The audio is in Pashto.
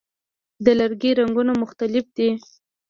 د لرګي رنګونه مختلف دي.